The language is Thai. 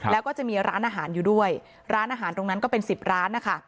แล้วก็จะมีร้านอาหารอยู่ด้วยร้านอาหารตรงนั้นก็เป็น๑๐ร้านนะคะ